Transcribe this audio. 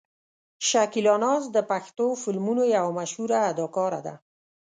شکیلا ناز د پښتو فلمونو یوه مشهوره اداکاره ده.